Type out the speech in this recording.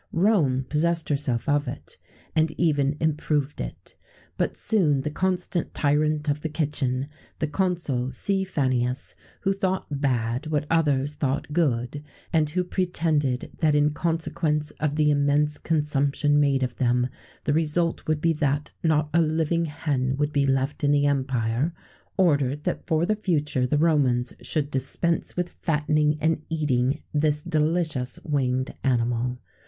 Rome possessed herself of it, and even improved it; but soon the constant tyrant of the kitchen, the Consul, C. Fannius, who thought bad what others thought good, and who pretended that in consequence of the immense consumption made of them, the result would be that not a living hen would be left in the empire, ordered that for the future the Romans should dispense with fattening and eating this delicious winged animal.